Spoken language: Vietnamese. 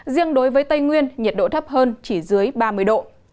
riêng đối với tây nguyên nhiệt độ thấp hơn chỉ dưới ba mươi độ